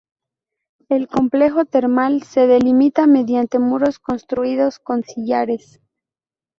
El complejo termal se delimita mediante muros construidos con sillares.